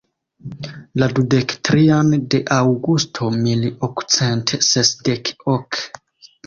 La dudek trian de Aŭgusto mil okcent sesdek ok.